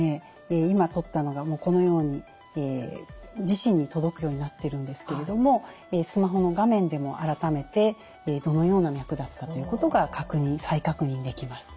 今とったのがこのように自身に届くようになっているんですけれどもスマホの画面でも改めてどのような脈だったっていうことが再確認できます。